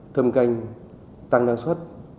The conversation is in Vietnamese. thâm canh tăng năng suất